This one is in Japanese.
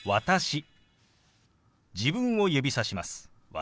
「私」